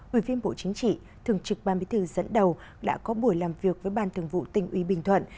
ủy viên bộ chính trị thường trực ban bí thư dẫn đầu đã có buổi làm việc với ban thường vụ tỉnh ủy bình thuận